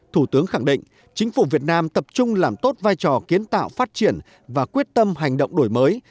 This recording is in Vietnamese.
thủ tướng khẳng định chính phủ việt nam tập trung làm tốt vai trò kiến tạo phát triển và quyết tâm hành động đổi mới